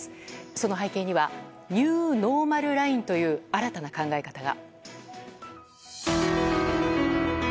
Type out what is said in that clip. その背景にはニューノーマルラインという新たな考え方が。